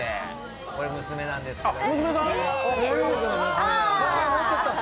これ娘なんですけどね。